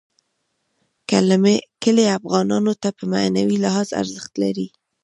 کلي افغانانو ته په معنوي لحاظ ارزښت لري.